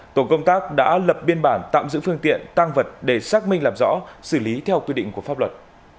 tổ công tác đã lập biên bản tạm giữ phương tiện tăng vật để xác minh làm rõ xử lý theo quy định của pháp luật